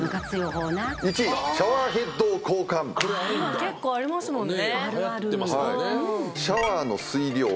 今結構ありますもんね。